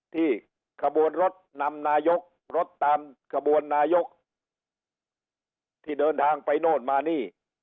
ขบวนรถนำนายกรถตามขบวนนายกที่เดินทางไปโน่นมานี่